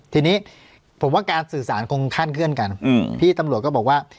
ทีนี้ผมว่าการสื่อสารคงคาดเคลื่อนกันพี่ตำรวจก็บอกว่า